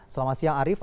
selamat siang arief